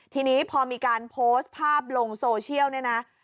ทีนี้พอมีการโพสต์ภาพลงโซเชียลเนี่ยนะ